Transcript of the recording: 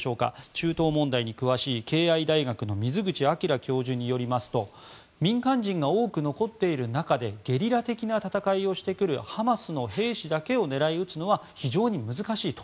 中東問題に詳しい敬愛大学の水口章教授によりますと民間人が多く残っている中でゲリラ的な戦いをしてくるハマスの兵士だけを狙い撃つのは非常に難しいと。